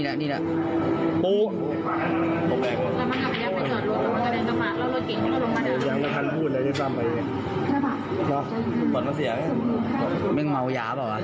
มันเห็นเป็นคนเถาไหม